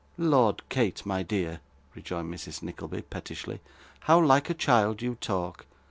'Lord, Kate, my dear,' rejoined Mrs. Nickleby, pettishly, 'how like a child you talk!